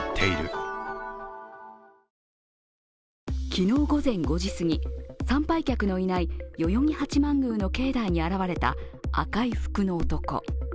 昨日午前５時すぎ参拝客のいない代々木八幡宮の境内に現れた赤い服の男。